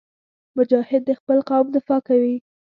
مجاهد د خپل قوم دفاع کوي.